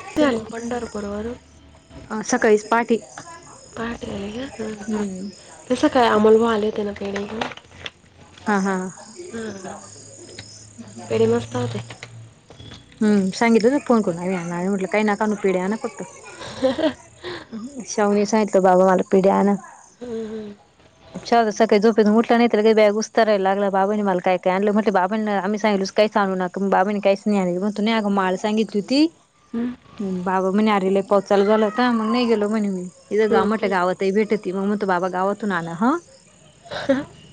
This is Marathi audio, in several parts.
कधी आले अ पंढरपुर वरून? सकाळीच पहाटे पहाटे येयला का? हम्म हा म सकाळी आमोल भाऊ आले होते ना पेढे घेऊन. हा हा हा, पेढे मस्त होते. हम्म, सांगितलं फोन करून यांना, म्हटलं काही नका आणू पेढे आणा फक्त. [unintelligible] शावणी सांगितलं बाबा मला पेढे आणा. हम्म हम्म शावणी सकाळी झोपेतन उठला नाहीेतर का बया उसतराय लागला, बाबाने मला काय काय आणलं म्हटलं बाबांना आम्ही सांगितलं होतं कायच आणु नका म बाबानी कायच नाय आणलं, म्हणतु नाही अगं माळ सांगितली होती. हं, बाबा म्हणे आरे लय पाऊस चालू झाला होता, मग नाही गेलो म्हणे मी, इथं जाऊ हं, म्हटलं हं. गावात ते भेटती, मग म्हणतो बाबा गावातून आणा ह.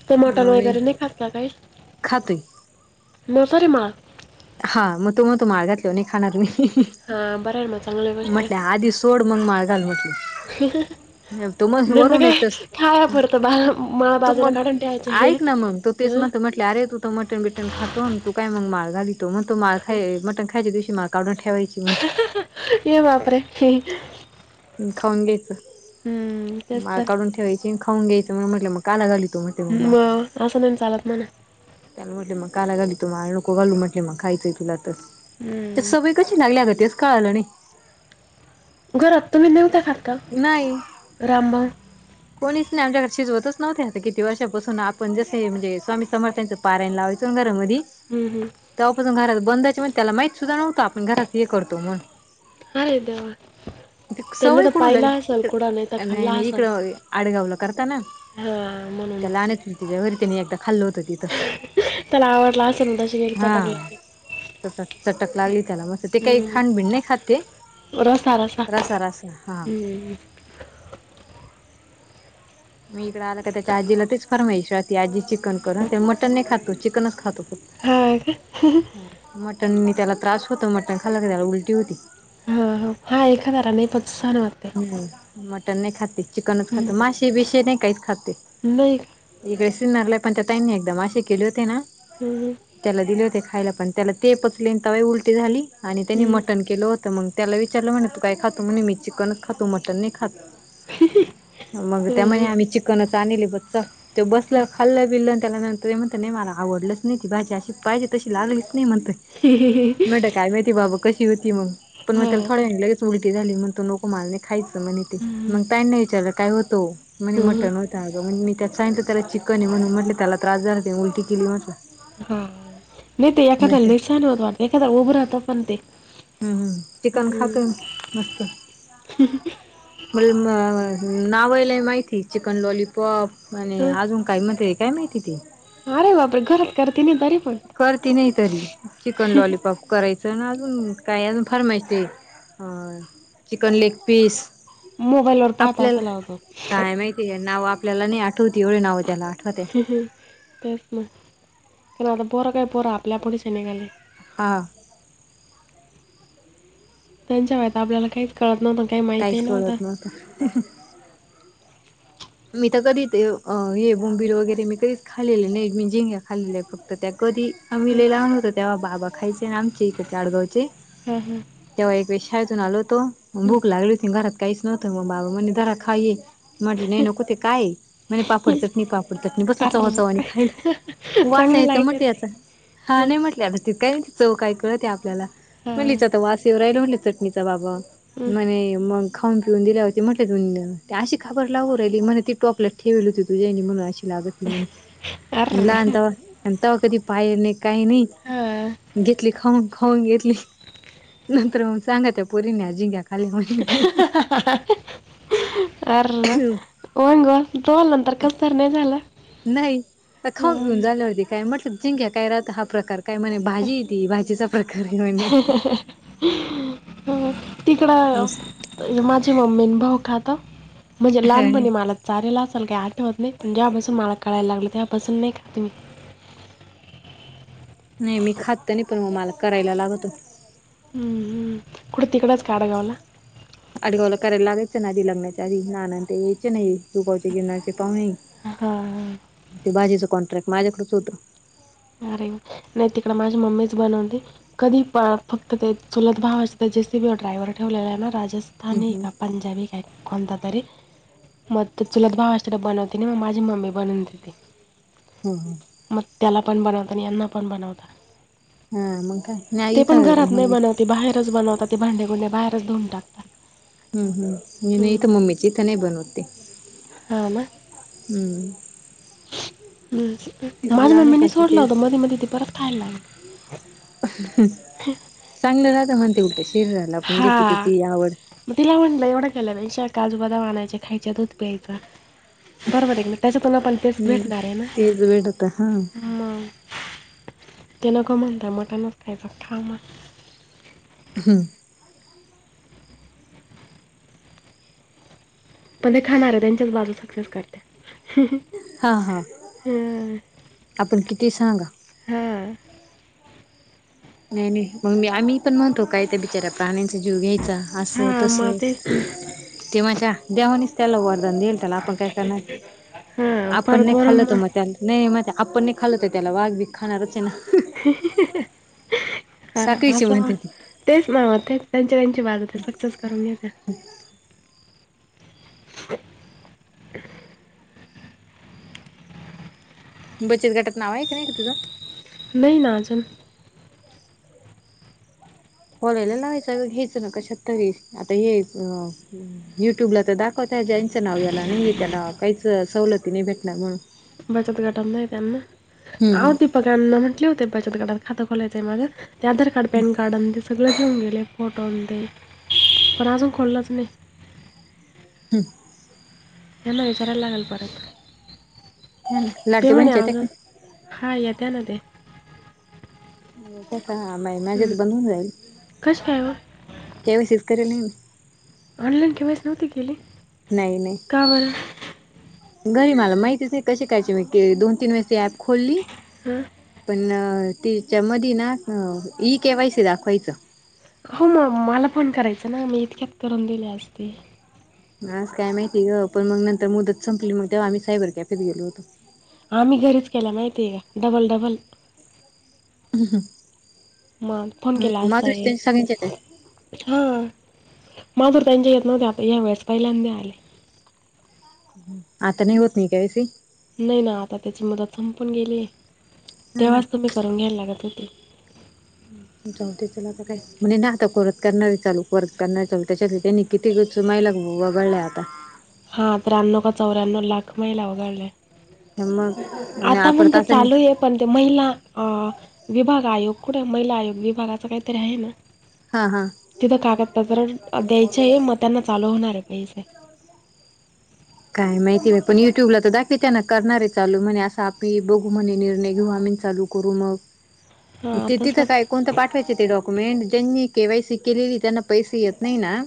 तो मटण वगैरे नाही खात ना काही? खातोय म सारे मा हा मग तो मग तो माळ घातल्यावर नाही खाणार मी, हां बरं आहे मग चांगली गोष्ट म्हटलं आदीच सोड मग माळ घालू म्हटलं. तो [unintelligible] मग नंत वरून काय येतस खाया पुरत बा माळ तू बाजूला मग काढून ठेवायचं आहे अं ले अरे तू त मटन बिटन खातो अन तू काय मग माळ घालीतो, म्हणतो माळ खाय मटन खायच्या दिवशी माळ काढून ठेवायची म्ह ये बापरे! खाऊन घ्यायचं, तेच माळ तर काढून ठेवायची अन खाऊन घ्यायचं, मग म्हण म्हटलं मग कायला घालीतो म्हट म असं नाही ना चालत म्हणा. त्याला म्हटले मग कायला घालीतो माळ, नको घालू म्हटले मग खायचंय तुला तर, ते हं. सग कशी नाय लागत तेच कळाल नाही. घरात तुम्ही नव्हता का? नाही. रामभाऊ कोणीच नाही आमच्याकडे शिजवतच नव्हते आता किती वर्षापासून आपण जसे म्हणजे स्वामी समर्थ्यांचं पारायण लावाय घरामध्ये हं, हं. तेव्हापासून घरात बंद‌ हाय म्हण त्याला माहित सुद्धा नव्हतं आपण घरात हे करतो म्हणून ‌. आरे देवा ते त्यांणी सवय त [unintelligible] नाही इकड आडगाव करता ना हा म्हणून त्याला रती एकदा खाल्ल होतं तिथं. [unintelligible] त्याला आवडला असेल तशी चटक हा लागली. [unintelligible] तस चटक लागली त्याला मस्त ते काही हम्म खाड बिड नाही खाते. रस रस हा. [unintelligible] हमं. [unintelligible] मी इकडे आला का त्याच्या आजीला तेच फार माहिश राहते आजी चिकन कर अ ते मटन नाही खातो चिकनच खातो फक्त. हा का. [unintelligible] मटनी त्याला त्रास होतो मटन खायला क त्याला उलटी होती. हा हा एखाद्या ला नाही पचत सहान व्हतय. [unintelligible] मटन नाही खाते चिकनच खाते हम्म. मासे बेसे नाही काहीच खाते. नाही का इकडे सिन्नरला पण त्या ताईंनी एकदम असे केले होते ना हम्म. त्याला दिले होते खायला पण त्याला ते पचले तवा उलटी झाली आणि त्यानी हम्म. मटण के केलं होतं मग त्याला विचारलं म्हणे तू काय खातो म्हणे मी चिकनच खातो मटन नाही खात‌. हम्. [unintelligible] मी चिकनच आणली ब च ते बसलं खाल्लं बिललं त्यानंतर त म्हणत नाही मला आवडलंच नाही ती भाजी अशी पाहिजे तशी लागलीच नाही म्हणतय. [unintelligible] [unintelligible] काय माहिती बाबा कशी होती मग पण मग हा. त्याला थोड्या व लगेच उलटी झाली मग नको तो मला नाही खायच. ते हम्म. मग का नाही विचारलं काय होतो म्हणे हम्म. मटन मग मी त्यात सांगितलं त्याला चिकन आहे म्हण म्हटले त्याला त्रास झाला उलटी केली म्हटलं. हा नाही ते म्हणत्या एखाद्या सहन होत वाटतते एखाद उभ राहतो पण ते हम्म हम्म चिकन हम्म. खातोय मस्त‌. मला नाव लई माहिती चिकन लॉलीपॉप, म्हणे ह. अजून काय म्हंणतय काय माहिती ते. [unintelligible] अरे बापरे घरात करते मी तरी [unintelligible] करती नाही तरी चिकन लॉलीपॉप. [unintelligible] करायचं ना अजून काय अजून फार माहिती आहे चिकन लेग पीस मोबाईलवरर पाच वाजता लावतो. [unintelligible] ते नाव आपल्याला नाही आठवती एवढे नाव त्याला आठवत. [unintelligible] तेच ना कारण आता पोरं काय पोरं आपल्यापुढचे निघाले. हां. [unintelligible] त्यांच्या वयात आपल्याला काहीच कळत नव्हतं काही माहिती काहीच नव्हतं. कळत [unintelligible] [unintelligible] [unintelligible] मी तर कधी ते हे बोंबिल वगैरे मी कधीच खालेलं नाही मी झींग खालेल्या आहेत फक्त त्या कधी आम्ही हं, लहान होतो तेव्हा बाबा खायचे आमचे इकडे आडगावचे. हम हम. [unintelligible] तेव्हा एक वेळ शाळेतून आलो होतो भूक लागली होती घरात काहीच नव्हत म बाबा म्हणले धरा खा रे. [unintelligible] म्हटलं नको ते काय आहे काय म पापड चटणी पापड. त्यातनी बसल चवा चवा नी अर्र खायला वास चांगले यायचं लागले म्हटलं ते. याचा. हा नाही म्हटले आता ति काय चव काय कळते आपल्याला. चटणी हं, चा तर वासवर राहिला होले चटणीचा बाबा. [unintelligible] हं. म्हणे मग खाऊन पिऊन दिल्या होती म्हटले तु अशी खाबर लाव म्हण ती टोपल्यात ठेवली होती तुझ्या आईन म्हणून अशी लागत त म्हणे अर्र आण तवा. आणि तेव्हा कधी पाहल नाही काही नाही हं, घेतली खाऊन खाऊन घेतली. नंतर म सांगा त्या पोरीन झिंंग्या खाली म्हणी [unintelligible] अर वंग तो आ नंतर कस तर नाही झालं [unintelligible] नाही. खाऊ पिऊन झाल्यावर होती काय म्हटलं जिंक्या काय राहत हा प्रकार काय म्हणे भाजी ती भाजीचा प्रकारी ह्यो आणी. तिकड म्हणे माझी मम्मी भाऊ खाता माझ्या लहानपणी मला शाळेला असन काय आठवत नाही पण ज्यापासून मला कळायला लागलं त्यापासून नाही का तुम्ही. नाही मी खात नाही पण मग मला करायला लागतो. कुड तिकडच काडागावला अडगावला करायला लागयचं ना आधी लग्नाच्या आधी ना ते यायचे नाही दुगावचे जिण्याचे पाहणे. हा. ते बाजीचं कॉन्ट्रॅक्ट माझ्याकडच होतं. न त इकड माझी मममीच बणते. कधीण फक्त ते चुलत भावाचे जेसीबी ड्रायव्हर ठेवलेला आहे ना राजा हम्म राजस्थानी हम्म. का पंजाबी काय कोणता तरी मग तर चुलत भावा अस तर बनवते मगझी मम्मी बनवूनतेेते. ह हां. मग त्याला पण बनवता आणि यांना पण बनवता. हा मग काय नाहीयथ पण घरात नाही मम्मी ते बनवते, बाहेरच बनवतात ते भांडेगुंडे्या बाहेर धुऊून टकात. हम्म हम्म म्हणजे नाहीथ मम्मीची इथ नाही बनवते हां ना? हम्म. तिकडं माझ्या लहान्या मम्मीनी सोडलं काकीचे होत मध्येी मध्येी ते परत खायला ला. चांगलं राहत म्हणते उलट शिर राला आपण ज्याची हां. त्याची आवड. मग तिला म्हटलं एवढा केला नाही काजूगदाम आणायचे खायच्या दूध प्यायचं. बरोबर आहे ना त्याच्यातून आपण तेच भेटणार आहे ना. आता त्यानेक मण त्याम टनत खच खाऊ मग हा. पण ते खाणार आहे त्यांच्याच बाजू सक्सेस करते. हा हा हा आपण किती सांगा हा. नाही नाही मग मी आम्ही पण म्हणतो काय त्या बिचाऱ्या प्राण्यांचा जीव घ्यायचा. असं हा तस मग तेच ते माझ्या देवानेच त्याला वरदान देईल. त्याला आपण काय करणार हा आपण परत नाही वरून खाल्ल तो मग मला नाही म आपण नाही खालत त्याला वाघ बी खाणारच आहे ना. ह साखळीची असं म्हणते तेच ना म तेच त्यांच्या त्यांची बाज हो सक्सेस करून येत. ह. बचत गटात नाव आहे का नाही का तुझं? नाही नाजून खोलायला लावायचं घ्यायचं ना कशात तरी आता हे. युट्यूबला तर दाखवता ज यांचं नाव याला नाहीय त्याला काहीच सवलती नाही भेटला म्हणून बचत घटव त्यांना हम्म आ. ना म्हटले होते बचतटात खातं खोलायंय माझं ते आधार कार्ड पॅन कार्ड आणि सगळे घेऊन गेले फोटोन ते पण अजून खोललंच नाही. हम्. यांना विचारायला लागेल परत हम्म ते लाडके म्हणे बहिणीच्या येत्या आज का हा येत्या ना ते याच्या का मा मॅझ्याेत हं. बंद होून जाईल कसं काय हो केवे्हा शचकऱरीला नाही. ऑनलाईन केवायसी नव्हती केली. नाही नाही. का बरं घरी मला माहितीच आहे कशी करायचे मी क दोन तीन वेळेस ती ऍप खोलली. हं? पणं त्येच्या मधी ना अ ईकेवायसी दाखवायचं हो मग मला पण करायचं ना मी इतक्यात करून दिले असते आस काय माहिती ग पण मग नंतर मुदत संपली मग तेव्हाम्ही साबर कॅफेेत गेलो होतो आम्ही घरीच केला माहिती आहे का डबल डबल म फोन केला हम्म असता माधुरीचे त्यांचे एक सगळ्यांचेच आहे. हा माधुर त्यांच्या येत नव्हते आता या वेळेस पहिल्यांद आले आता नी होत नाही के वय सी नाही ना आता त्याची मुदत संपून गेली आहे हा ना तेव्हाच तुम्ही करून घ्यायला लागत होते जाऊदे चल आता काय म्हणजे ना आता करत करणार चालू वर्त करणार चालू त्याच्यात त्यांनी किती घरचं महिलां वगळलाय आता हा त्र्याण्व का चौऱ्याण्णव लाख महिला वगळलाय ह मग म्हणजे आपडतास चालू आहे पण ते महिला अ विभाग आयोग कुठे महिला आयोग विभागाचा काहीतरी आहे ना हा हा तिथं कागदपत्र द्यायचे आहे मग त्यांना चालू होणार आहे पैसे [unintelligible] काय माहिती बाई पण युट्यूबला तर दाखवते ना करणार आहे चालू म्हणे असं आम्ही बघू म्हणे निर्णय घेऊ आम्ही चालू करु मग [inaudible] ते तिथं तसं काय कोणतं पाठवायचे ते डॉक्युमेंट त्यांनी केवायसी केलेली त्यांना पैसे येत नाही ना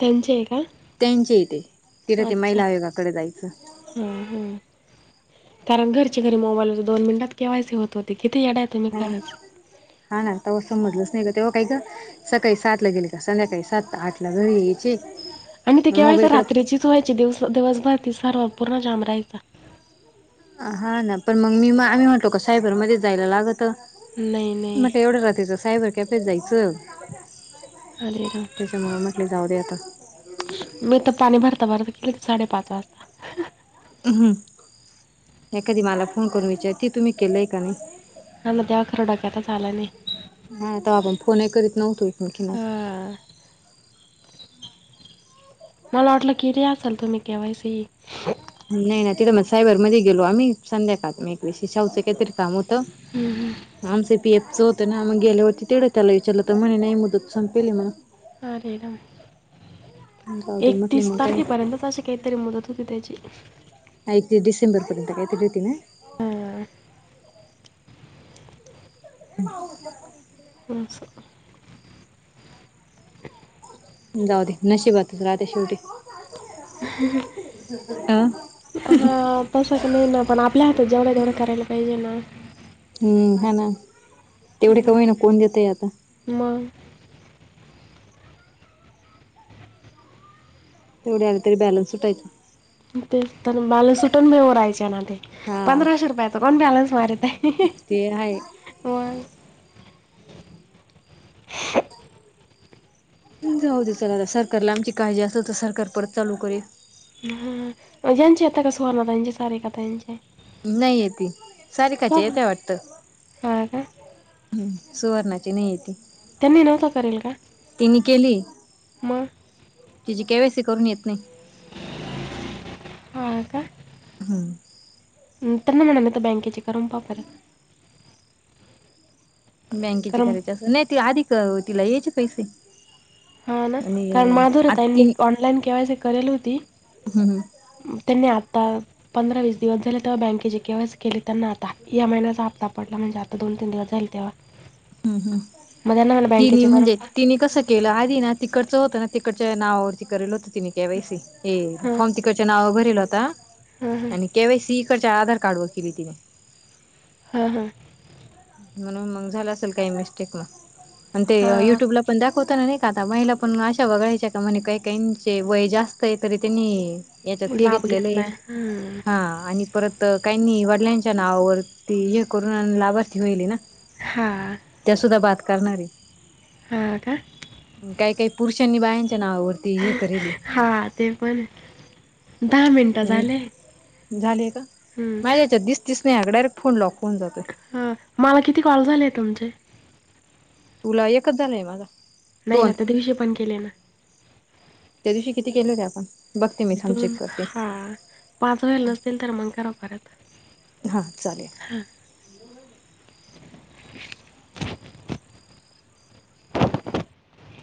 त्यांचे आहे का त्यांचे इथे तिथं ते महिला आयोगाकडे जायचं हम हम कारण घरच्या घरी मोबाईल दोन मिनटात केवायसी होत होती किती येडेत नाही नाही हा ना तवा समजलंच नाही का तेव्हा काही ग सकाळी सातला गेली का संध्याकाळी सात आठला घरी यायची आणि ते केवायसी रात्रीचीच व्हायची दिवस दिवसभर ते सर्व पूर्ण जाण राहायचा हा ना पण मग मी म आम्ही म्हणलो का सायबरमध्येच जायला लागतं नाही नाही म्हटल एवढं राात्रीचं सायबर कॅफेेत जायचं आलेरा [unintelligible] त्यामुळे म्हटलं जाऊदे आता मी तर पाणी भरता भरता केले साडेपाच वाजता अहं हे कधी मला फोन करून विचार की तुम्ही केलंय का नाही हा ना तेव्हा खरं डोक्यातच आलं नाही हा त आपण फोनही करीत नव्हतो एकमेकींना हां मला वाटलं केली असाल तुम्ही केवायसी नाही नाही तिथं मग सायबरमध्ये गेलो आम्ही संध्याकाळ एक विषय शाहू च काहीतरी काम होत त हं, हं. आम स पी एफचो तर ना मग गेल्यावरती तेवढं त्याला विचारलं तर म्हणे नाही मुदत संपेली म्हणं अरे राम जाऊ दे म्हटले एकतीस मग काय तारखेपर्यंतच असे काही तरी मुदत होती त्याची एकतीस डिसेंबरपर्यंत कायतर होती ना हा हम [unintelligible] तुमचं जाऊदे नशीबतच राते शेवटी अ हम् अं हा तसं की नाही ना पण आपल्या हातात जेवढंय तेेवढं करायला पाहिजे ना हम्म हा ना तेवढे का हं. होई ना कोण देतय आता मग तेवढे आले तरी बॅलन्स सुटायचं. तेच तर, बाल सुटून बी राहायचे. ना ते. हा पंधराशे रुपयाचा कोण बॅलन्स मारितय? ते हाय. जाऊ दे. चला सरकारला आमची काळजी असल, तर सरकार परत चालू करील. हू हू. म यांचे कसे होणार? आता सारिका ताईंचे नाहीये ती सारिकाची बरं येतंय वाटत. हां का हम् सुवर्णाची नाही येती. त्यांनी नव्हता. करेल का? तिने केली. मग तिची केवायसी करून येत नाही. हा का? हा. हुं त्याना म्हणा, बँकेची करुन पाहा बर. बँकेची कारण करायची, अस नाही आधी अ तिला यायचे पैसे. हा ना. आणि काल आ माधुरीताईंनी तिने ऑनलाईन केवायसी करेल होती. हम्म म त्यांनी आता पंधरा वीस दिवस झाले तेव्हा, बँकेचे केवायसी केली त्यांना आता ए महिनाचा हपता पडला, म्हणल आता दोन तीन दिवस झाले, तेव्हा हम् हम् मग त्यांना मला तिनी बँकेचे करून म्हणजे तिनी कसं? केलं. आधी ना तिकडचं होतं ना, तिकडच्या नावावरती करेल होतं. तिनी केवायसी हे हां फॉर्म तिकडच्या नावावर भरीवला होता हां हां आणि केवायसी हिकडच्या आधार कार्डवर केली ती न. हा हा. म्हणून मग झालं असेल, काही मिस्टेक मग पणं ते, हां युट्यूबला पण दाखवताना नाही का? आता महिला पण अशा वगळायच्या का म्हणे? काही काहीचे वय जास्त आहे, तरी त्यांनी याच्यात हे लाभ घेतलेलं हाय. घेतलाय हां हा आणि परत तर काहीनी वडिलांच्या नावावर ती हे करून लाभार्थी होईली ना. हां. त्या सुद्धा बाद करणार ए हा का? काही काही पुरुषांनी बायांच्या नावावर [unintelligible] हा ते हाय, दहा मिनटं झाले. झालेय का? हं. माझ्या. याच्यात दिसतीस नाही, डायरेक्ट फोन लॉक होऊन जातो. हा, मला किती कॉल झालेय तुमचे? तूला एकच झालाय माझा. नाही ना, दोन त्यादीवसी पण केले ना. त्या दिवशी किती केल होते आपण? बघते मी थांब दोन, चेक करते हा पाच व्हाय नसतील तर, मग करा परत हा चालेल.